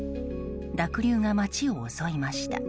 濁流が街を襲いました。